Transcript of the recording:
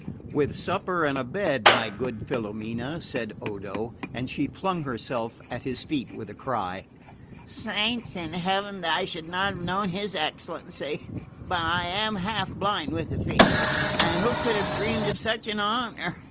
"With supper and a bed, my good Filomena," said Odo; and she flung herself at his feet with a cry. "Saints of heaven, that I should not have known his excellency! But I am half blind with the fever, and who could have dreamed of such an honour?"